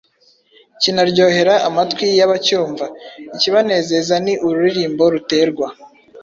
kinaryohera amatwi y’abacyumva. Ikibanezeza ni ururirimbo ruterwa